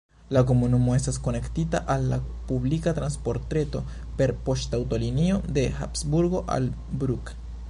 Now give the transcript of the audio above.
La komunumo estas konektita al la publika transportreto per poŝtaŭtolinio de Habsburgo al Brugg.